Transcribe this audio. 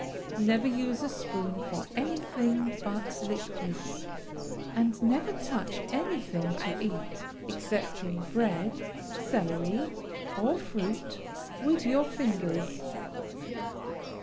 Never use a spoon for anything but liquids, and never touch anything to eat, excepting bread, celery, or fruit, with your fingers.